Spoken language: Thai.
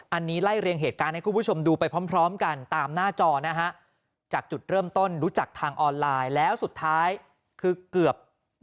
อันนี้ไล่เรียงเหตุการณ์ให้คุณผู้ชมดูไปพร้อมกันตามหน้าจอนะฮะจากจุดเริ่มต้นรู้จักทางออนไลน์แล้วสุดท้ายคือเกือบ